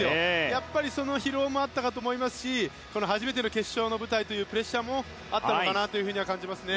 やっぱり、その疲労もあったかと思いますし初めての決勝の舞台というプレッシャーもあったのかなと感じますね。